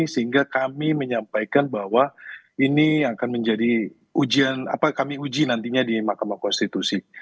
sehingga kami menyampaikan bahwa ini akan menjadi ujian apa kami uji nantinya di mahkamah konstitusi